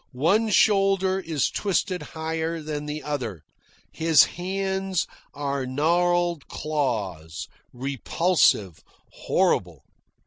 One shoulder is twisted higher than the other. His hands are gnarled claws, repulsive, horrible.